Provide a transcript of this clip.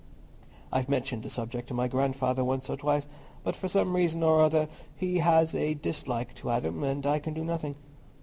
I've mentioned the subject to my grandfather once or twice, but for some reason or other he has a dislike to Adam, and I can do nothing.